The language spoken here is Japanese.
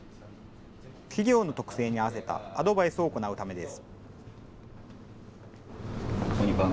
企業の特性に合わせたアドバイスを行うためです。